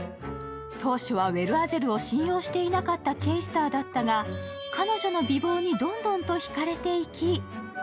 当初はウェルアゼルを信用していなかったチェイスターだったが彼女の美貌にどんどんと引かれていき